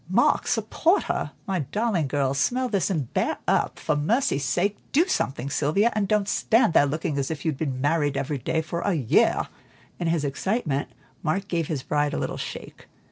Mark, support her! My darling girl, smell this and bear up. For mercy sake do something, Sylvia, and don't stand there looking as if you'd been married every day for a year." In his excitement, Mark gave his bride a little shake.